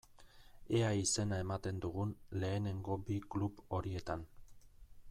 Ea izena ematen dugun lehenengo bi klub horietan.